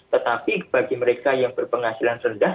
tetapi bagi mereka yang berpenghasilan rendah